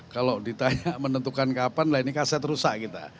kalau ditanya menentukan kapan lah ini kaset rusak kita